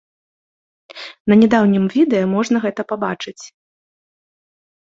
На нядаўнім відэа можна гэта пабачыць.